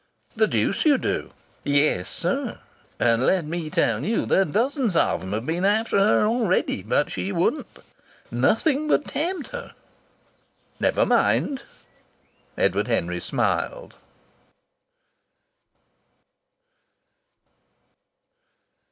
"The deuce you do!" "Yes, sir! And let me tell you that dozens of 'em have been after her already. But she wouldn't! Nothing would tempt her." "Never mind!" Edward Henry smiled.